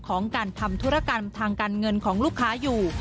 ของการทำธุรกรรมทางการเงินของลูกค้าอยู่